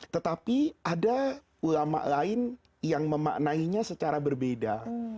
tetapi ada ulama lain yang memaknainya secara berbeda